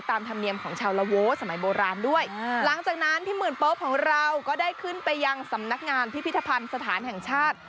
ธรรมเนียมของชาวละโว้สมัยโบราณด้วยหลังจากนั้นพี่หมื่นโป๊ปของเราก็ได้ขึ้นไปยังสำนักงานพิพิธภัณฑ์สถานแห่งชาติ